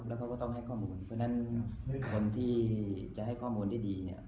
แล้วเขาก็ต้องให้ข้อมูลเพราะฉะนั้นคนที่จะให้ข้อมูลได้ดีเนี่ย